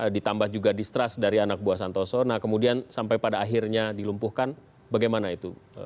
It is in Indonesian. ditambah juga distrust dari anak buah santoso nah kemudian sampai pada akhirnya dilumpuhkan bagaimana itu